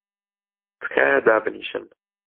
تکایە دابنیشن!